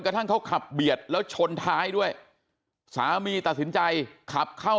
กระทั่งเขาขับเบียดแล้วชนท้ายด้วยสามีตัดสินใจขับเข้า